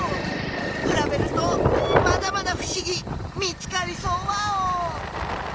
くらべるとまだまだふしぎ見つかりそうワオ！